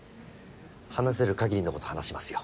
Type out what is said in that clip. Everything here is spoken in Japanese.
話せる限りのこと話しますよ。